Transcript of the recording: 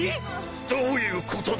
どういうことだ！？